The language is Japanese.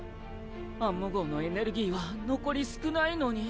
アンモ号のエネルギーは残り少ないのに。